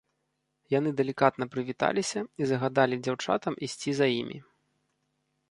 Яны далікатна прывіталіся і загадалі дзяўчатам ісці за імі.